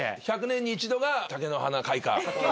１００年に１度が竹の花開花。